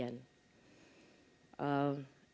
yang ini pada umur sekian